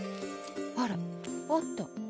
あらあった。